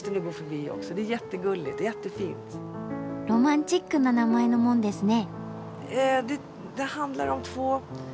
ロマンチックな名前の門ですね。